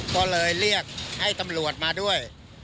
ตอนนั้นเรียกให้ตำรวจมาด้วย